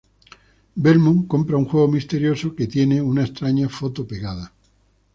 Belmont compra un juego misterioso en las cuales tiene una extraña foto pegada.